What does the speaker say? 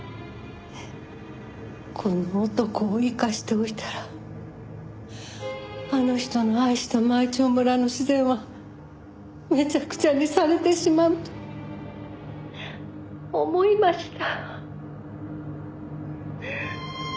この男を生かしておいたらあの人の愛した舞澄村の自然はめちゃくちゃにされてしまうと思いました。